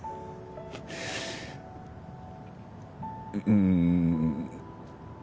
うん。